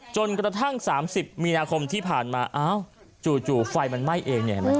จนกระทั่ง๓๐มีนาคมที่ผ่านมาอ้าวจู่ไฟมันไหม้เองเนี่ยเห็นไหม